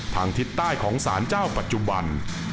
ทิศใต้ของสารเจ้าปัจจุบัน